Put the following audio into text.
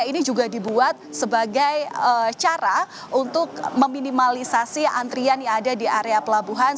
ini juga dibuat sebagai cara untuk meminimalisasi antrian yang ada di area pelabuhan